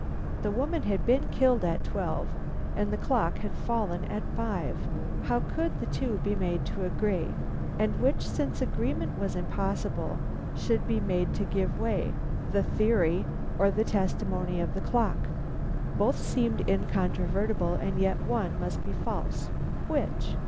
The woman had been killed at twelve, and the clock had fallen at five. How could the two be made to agree, and which, since agreement was impossible, should be made to give way, the theory or the testimony of the clock? Both seemed incontrovertible, and yet one must be false. Which?